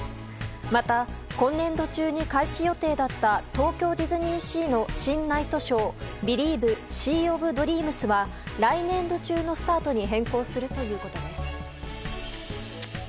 また、今年度中に開始予定だった東京ディズニーシーの新ナイトショー「ビリーヴ！シー・オブ・ドリームス」は来年度中のスタートに変更するということです。